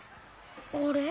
あれ？